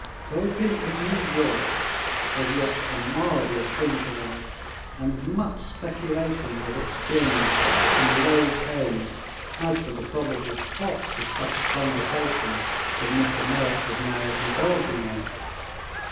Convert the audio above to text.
"Talkin' to New Yoruk" was yet a marvelous thing to them, and much speculation was exchanged in low tones as to the probable cost of such a conversation as Mr. Merrick was now indulging in.